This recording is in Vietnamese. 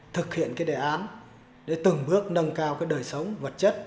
thực hiện cái đề án để từng bước nâng cao cái đời sống vật chất